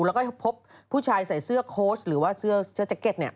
แล้วก็พบผู้ชายใส่เสื้อโค้ชหรือว่าเสื้อแจ็คเก็ต